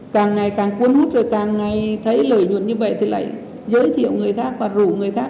càng ngày càng cuốn hút rồi càng ngày thấy lợi nhuận như vậy thì lại giới thiệu người khác và rủ người khác